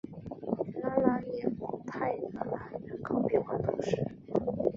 拉拉涅蒙泰格兰人口变化图示